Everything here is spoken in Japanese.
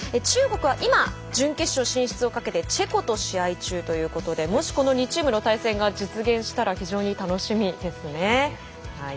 中国は今、準決勝進出をかけてチェコと試合中ということでもしこの２チームの対戦が実現すれば非常に楽しみですね。